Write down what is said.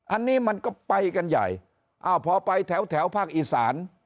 อันนี้มันก็ไปกันใหญ่อ้าวพอไปแถวแถวภาคอีสาน